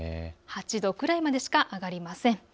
８度くらいまでしか上がりません。